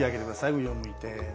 上を向いて。